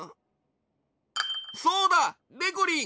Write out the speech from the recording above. そうだでこりん！